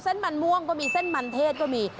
เส้นมันม่วงก็มีเส้นมันเทศก็มี